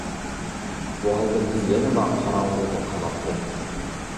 بۇ ھالدا بىز يەنىلا قاراڭغۇغا قالاتتۇق.